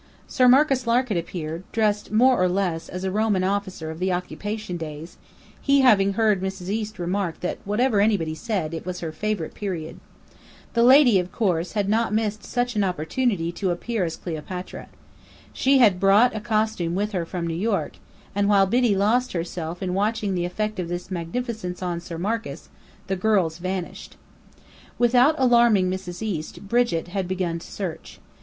Sir Marcus Lark had appeared, dressed (more or less) as a Roman officer of the Occupation days, he having heard Mrs. East remark that, "whatever anybody said, it was her favourite period." The lady, of course, had not missed such an opportunity to appear as Cleopatra. She had brought a costume with her from New York; and while Biddy "lost herself" in watching the effect of this magnificence on Sir Marcus, the girls vanished. Without alarming Mrs. East, Brigit had begun to search.